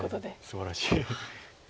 すばらしい。